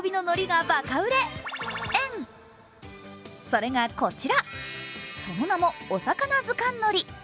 それがこちら、その名もおさかなずかんのり。